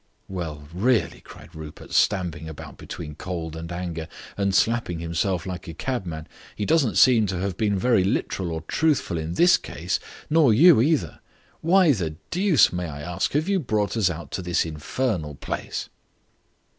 "Well, really," cried Rupert, stamping about between cold and anger, and slapping himself like a cabman, "he doesn't seem to have been very literal or truthful in this case, nor you either. Why the deuce, may I ask, have you brought us out to this infernal place?"